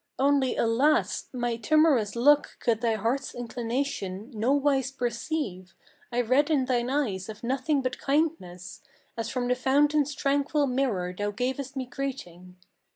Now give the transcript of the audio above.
Only, alas! my timorous look could thy heart's inclination Nowise perceive; I read in thine eyes of nothing but kindness, As from the fountain's tranquil mirror thou gavest me greeting.